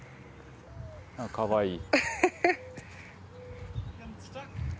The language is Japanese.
かわいい。